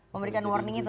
memberikan warning itu